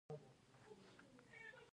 د هرات جامع جومات څو منارونه لري؟